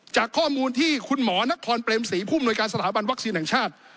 จากข้อมูลที่คุณหมอนครเปรมศรีผู้มนวยการสถาบันวัคซีนแห่งชาติ